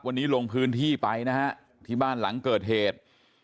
วันนี้ลงพื้นที่ไปนะฮะที่บ้านหลังเกิดเหตุ